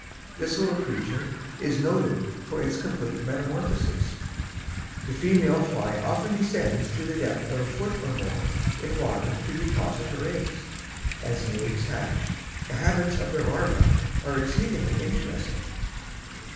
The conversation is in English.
This little creature is noted for its complete metamorphosis. The female fly often descends to the depth of a foot or more in water to deposit her eggs. As the eggs hatch the habits of their larvae are exceedingly interesting.